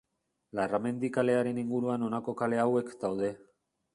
Larramendi kalearen inguruan honako kale hauek daude.